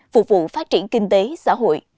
phục vụ phát triển kinh tế xã hội